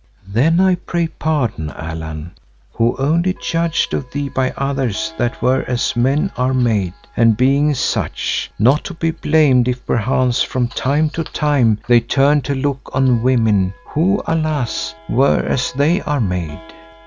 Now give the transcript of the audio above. "Then I pray pardon, Allan, who only judged of thee by others that were as men are made, and being such, not to be blamed if perchance from time to time, they turned to look on women, who alas! were as they are made.